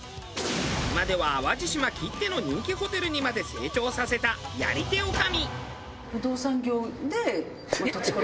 今では淡路島きっての人気ホテルにまで成長させたやり手女将！